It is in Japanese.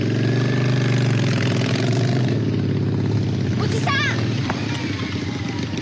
おじさん！